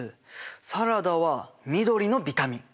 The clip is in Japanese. サラダは緑のビタミン。